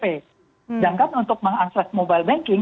sedangkan untuk mengakses mobile banking